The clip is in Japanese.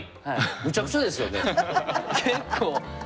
むちゃくちゃですよね。